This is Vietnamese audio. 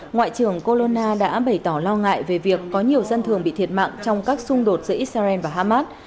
ngoại trưởng corona đã bày tỏ lo ngại về việc có nhiều dân thường bị thiệt mạng trong các xung đột giữa israel và hamas